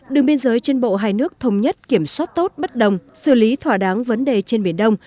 đường biên giới trên bộ hai nước thống nhất kiểm soát tốt bất đồng xử lý thỏa đáng vấn đề trên biển đông